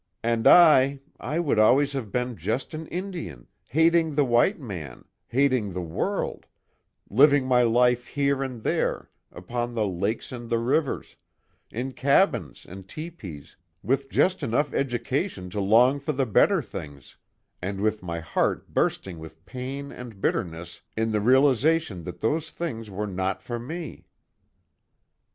And I I would always have been just an Indian hating the white man, hating the world, living my life here and there, upon the lakes and the rivers, in cabins and tepees, with just enough education to long for the better things, and with my heart bursting with pain and bitterness in the realization that those things were not for me."